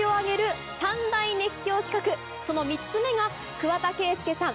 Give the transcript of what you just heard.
その３つ目が桑田佳祐さん